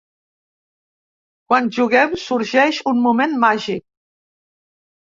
Quan juguem sorgeix un moment màgic.